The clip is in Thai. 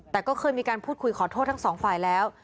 แต่ก็เคยมีการพูดคุยขอโทษทั้งสองฝ่ายแล้ว